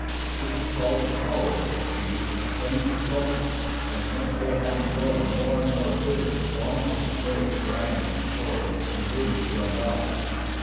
This solvent power of the sea explains its saltness, and it must go on growing more and more bitter as long as its waves grind at the shores and the rivers run down.